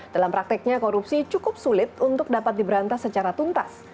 dalam prakteknya korupsi cukup sulit untuk dapat diberantas secara tuntas